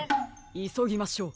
いそぎましょう！